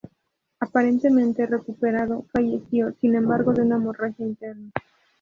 Aparentemente recuperado, falleció sin embargo de una hemorragia interna.